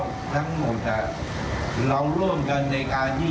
น้ำในเรื่องผลตกมาจากทางเหนือ